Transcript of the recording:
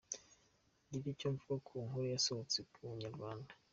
Ngire icyo mvuga ku nkuru yasohotse ku Inyarwanda.